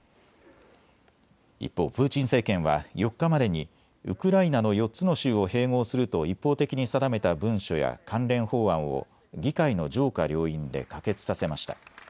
一方、プーチン政権は４日までにウクライナの４つの州を併合すると一方的に定めた文書や関連法案を議会の上下両院で可決させました。